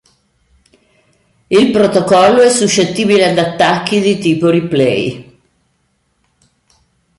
Il protocollo è suscettibile ad attacchi di tipo replay.